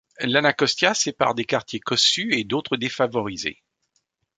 L’Anacostia sépare des quartiers cossus et d'autres défavorisés.